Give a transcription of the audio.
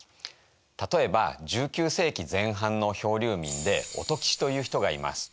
例えば１９世紀前半の漂流民で音吉という人がいます。